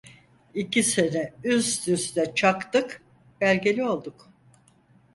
İki sene üst üste çaktık. Belgeli olduk.